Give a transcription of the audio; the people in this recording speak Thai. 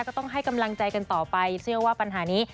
ก็ต้องให้กำลังใจกันต่อไปเชื่อว่าปัญหานี้